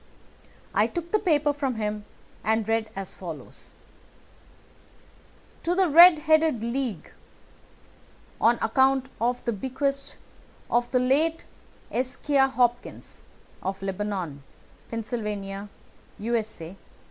I took the paper from him and read as follows: "TO THE RED HEADED LEAGUE: On account of the bequest of the late Ezekiah Hopkins, of Lebanon, Pennsylvania, U.S.A.